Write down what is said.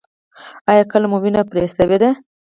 ایا کله مو وینه پرې شوې ده؟